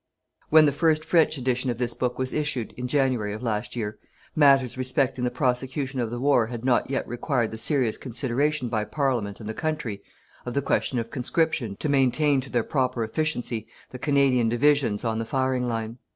When the first French edition of this book was issued, in January of last year, matters respecting the prosecution of the war had not yet required the serious consideration by Parliament and the country of the question of conscription to maintain to their proper efficiency the Canadian divisions on the firing line.